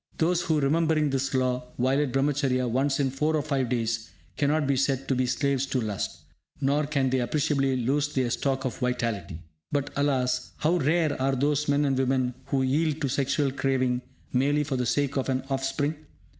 Those who, remembering this law, violate Brahmacharya once in four or five years cannot be said to be slaves to lust, nor can they appreciably lose their stock of vitality. But, alas, how rare are those men and women who yield to the sexual craving merely for the sake of an offspring!